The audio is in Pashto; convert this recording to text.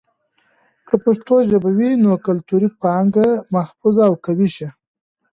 که پښتو ژبه وي، نو کلتوري پانګه محفوظ او قوي شي.